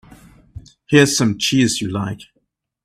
Here's some cheese you like.